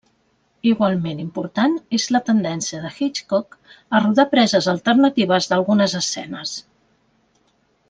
Igualment important és la tendència de Hitchcock a rodar preses alternatives d'algunes escenes.